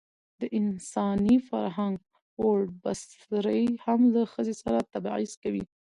د انساني فرهنګ ووړ بڅرى هم له ښځې سره تبعيض کوي.